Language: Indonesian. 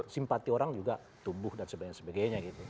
simpati orang juga tumbuh dan sebagainya gitu